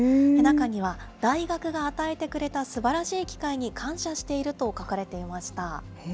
中には、大学が与えてくれたすばらしい機会に感謝していると書かれていました。